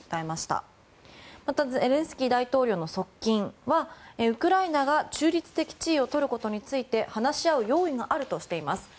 またゼレンスキー大統領の側近はウクライナが中立的地位を取ることについて話し合う用意があるとしています。